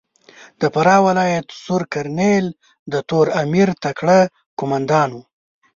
د فراه ولایت سور کرنېل د تور امیر تکړه کومندان ؤ.